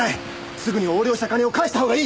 すぐに横領した金を返した方がいい！